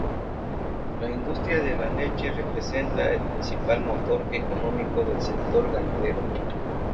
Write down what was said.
La industria de la leche representa el principal motor económico del sector ganadero.